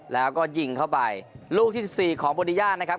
แล้วก็ยิงเข้าไปลูกที่๑๔ของโบดีย่านะครับ